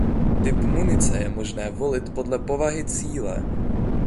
Typ munice je možné volit podle povahy cíle.